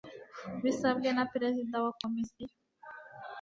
bisabwe na perezida wa komisiyo